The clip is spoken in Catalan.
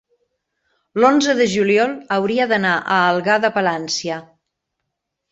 L'onze de juliol hauria d'anar a Algar de Palància.